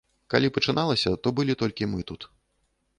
Калі пачыналася, то былі толькі мы тут.